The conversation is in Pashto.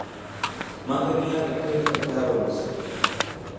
متن یې له پیله تر پایه ولوست.